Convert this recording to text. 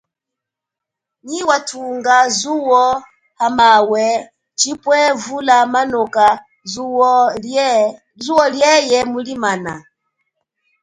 Nyi wathunga zuo hamawe chipwe vula manoka zuo liye mulimana.